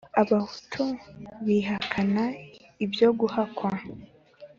abahutu bihakana ibyo guhakwa